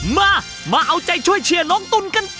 มามาเอาใจช่วยเชียร์น้องตุ๋นกันต่อ